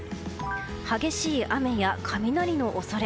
激しい雨や雷の恐れ。